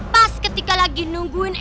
pas ketika lagi nungguin